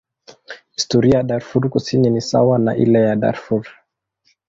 Historia ya Darfur Kusini ni sawa na ile ya Darfur.